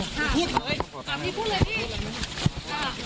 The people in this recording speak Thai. พี่โบ้ง